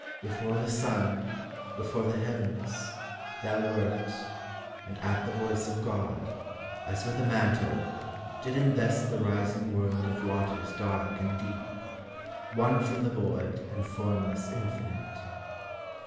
Before the sun Before the heavens, thou wert, and at the voice Of God, as with a mantle, did invest The rising world of waters dark and deep, Won from the void and formless infinite.